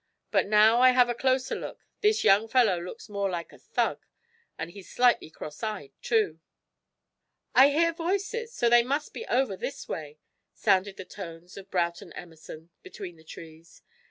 But, now I have a closer look, this young fellow looks more like a thug, and he's slightly cross eyed, too." "I hear voices, so they must be over this way," sounded the tones of Broughton Emerson, between the trees.